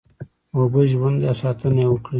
اوبه ژوند دی او ساتنه یې وکړی